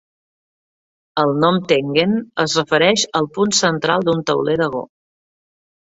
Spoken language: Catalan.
El nom Tengen es refereix al punt central d'un tauler de Go.